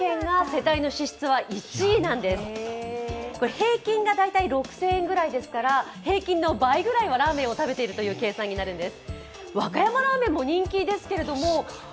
平均が大体６０００円くらいですから平均の倍ぐらいはラーメンを食べているという計算になるんです。